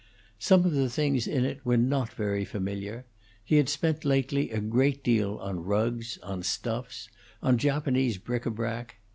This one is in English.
Some of the things in it were not very familiar; he had spent lately a great deal on rugs, on stuffs, on Japanese bric a brac.